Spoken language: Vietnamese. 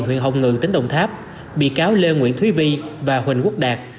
huyện hồng ngự tỉnh đồng tháp bị cáo lê nguyễn thúy vi và huỳnh quốc đạt